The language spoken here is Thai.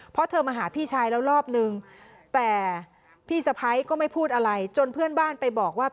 เพราะเธอมาหาพี่ชายแล้วรอบหนึ่งแต่พี่สะไพรก็บ้านไปบอกว่า